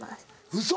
ウソ！